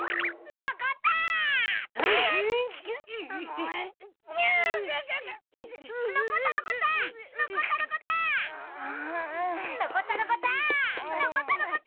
のこったのこった！